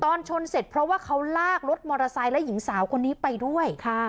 ตอนชนเสร็จเพราะว่าเขาลากรถมอเตอร์ไซค์และหญิงสาวคนนี้ไปด้วยค่ะ